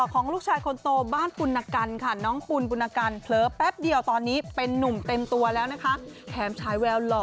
ก็จับมาแต่ไกล